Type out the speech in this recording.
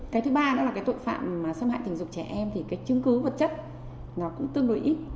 cái thứ ba đó là cái tội phạm xâm hại tình dục trẻ em thì cái chứng cứ vật chất nó cũng tương đối ít